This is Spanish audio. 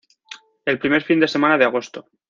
El primer fin de semana de agosto.